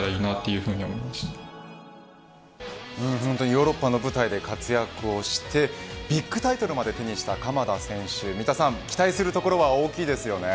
ヨーロッパの舞台で活躍をしてビッグタイトルまで手にした鎌田選手、三田さん期待するところは大きいですよね。